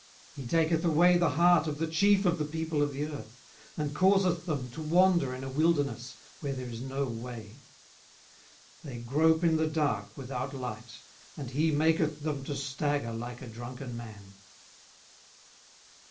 18:012:024 He taketh away the heart of the chief of the people of the earth, and causeth them to wander in a wilderness where there is no way. 18:012:025 They grope in the dark without light, and he maketh them to stagger like a drunken man.